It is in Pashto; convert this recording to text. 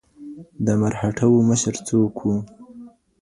د مرهټه وو مشر څوک و؟